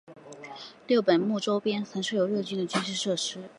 六本木周边曾设有日军的军事设施。